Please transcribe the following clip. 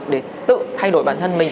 để tự thay đổi bản thân mình